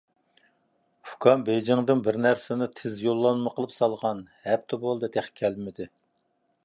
ئۇكام بېيجىڭدىن بىر نەرسىنى تېز يوللانما قىلىپ سالغان. ھەپتە بولدى، تېخى كەلمىدى.